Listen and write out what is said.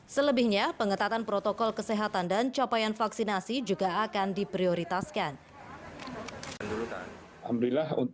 selebihnya pengetatan protokol kesehatan dan capaian vaksinasi juga akan diprioritaskan